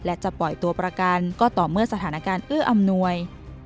และจะปล่อยตัวประกันก็ต่อเมื่อสถานการณ์เอื้ออำนวย